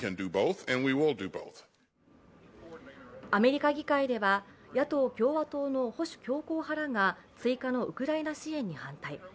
アメリカ議会では、野党・共和党の保守強硬派らが追加のウクライナ支援に反対。